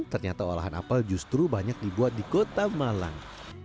ternyata olahan apel justru banyak dibuat di kota malang